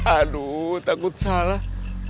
aduh takut salah